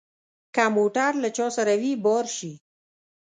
که موټر له چا سره وي بار شي.